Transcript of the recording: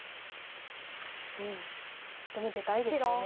うんでも出たいですよね